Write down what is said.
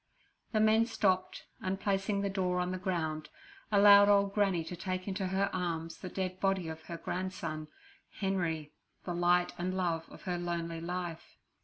The men stopped, and, placing the door on the ground, allowed old Granny to take into her arms the dead body of her grandson, Henry, the light and love of her lonely life.